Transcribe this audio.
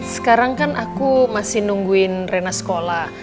sekarang kan aku masih nungguin rena sekolah